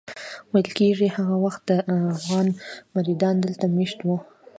ویل کېږي هغه وخت دده افغان مریدان دلته مېشت وو.